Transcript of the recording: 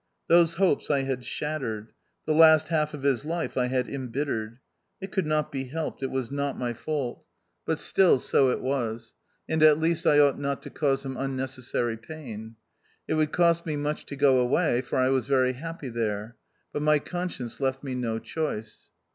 Those hopes I had shattered ; the last half of his life I had embittered. It could not be helped ; it was not my fault ; ISO THE OUTCAST. but still so it was, and at least I ought not to cause him unnecessary pain. It would cost me much to go away, for I was very happy there ; but my conscience left me no choice.